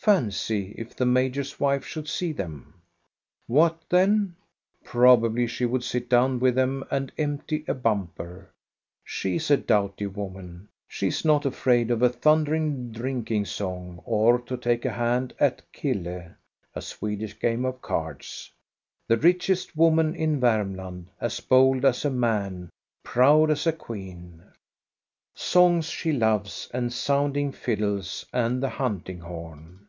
Fancy, if the major's wife should see them ! What then? Probably she would sit down with them and empty a bumper. She is a doughty woman ; she 's not afraid of a thundering drinking song or to take a hand at killed The richest woman in Varm ^ A Swedish game of cards. ■ I 36 THE STORY OF GOSTA BE RUNG land, as bold as a man, proud as a queen. Songs \ she loves, and sounding fiddles, and the huntingi^'j horn.